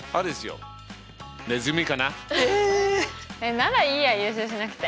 ならいいや優勝しなくて。